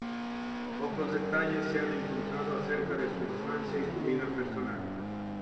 Pocos detalles se han encontrado acerca de su infancia y su vida personal.